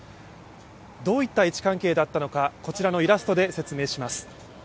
どういった位置関係だったのか、イラストで説明します。